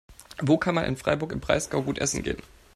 Wo kann man in Freiburg im Breisgau gut essen gehen?